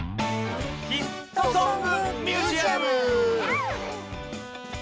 「ヒットソング・ミュージアム」！